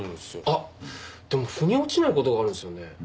あっでも腑に落ちない事があるんですよね。